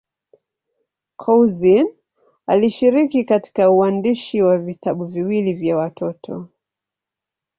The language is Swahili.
Couzyn alishiriki katika uandishi wa vitabu viwili vya watoto.